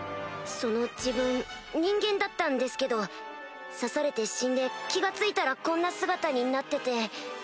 その自分人間だったんですけど刺されて死んで気が付いたらこんな姿になってて。